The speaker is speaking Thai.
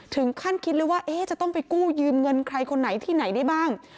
ถึงขั้นคิดเลยว่าจะต้องไปกู้ยืมเงินใครคนไหนที่ไหนได้บ้าง